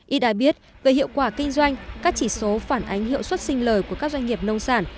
y đã biết về hiệu quả kinh doanh các chỉ số phản ánh hiệu suất sinh lời của các doanh nghiệp nông sản